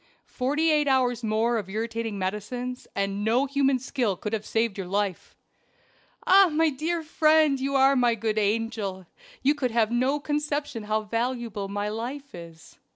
Forty eight hours more of irritating medicines, and no human skill could have saved your life." "Ah! my dear friend, you are my good angel you can have no conception how valuable my life is."